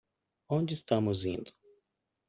Onde estamos indo?